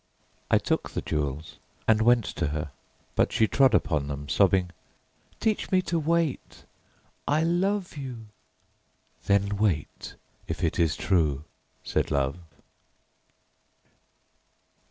I took the jewels and went to her, but she trod upon them, sobbing: "Teach me to wait I love you!" "Then wait, if it is true," said Love.